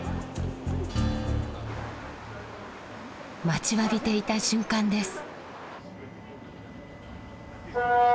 待ちわびていた瞬間です。